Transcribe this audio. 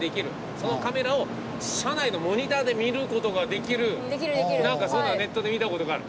そのカメラを車内のモニターで見る事ができるなんかそういうのをネットで見た事がある。